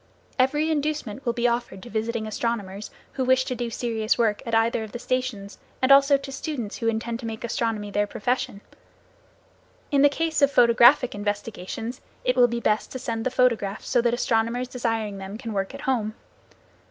Every inducement will be offered to visiting astronomers who wish to do serious work at either of the stations and also to students who intend to make astronomy their profession. In the case of photographic investigations it will be best to send the photographs so that astronomers desiring them can work at home.